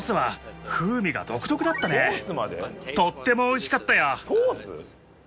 とってもおいしかったよ！